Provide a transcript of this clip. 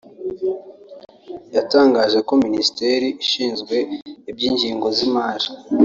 yatangaje ko Minisiteri ishinzwe iby’ingengo y’imari